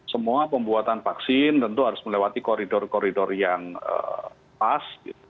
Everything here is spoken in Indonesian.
semua pembuatan vaksin tentu harus melewati koridor koridor yang pas